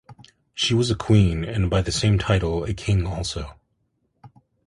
She was a queen, and by the same title a king also.